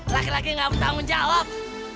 laki laki nggak bertanggung jawab